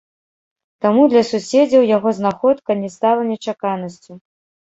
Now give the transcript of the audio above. Таму для суседзяў яго знаходка не стала нечаканасцю.